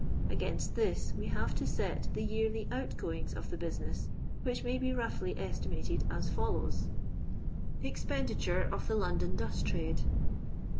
Against this we have to set the yearly out goings of the business, which may be roughly estimated as follows ^— BXFUDITUBI OF THB LoVDOR DuST TrADE.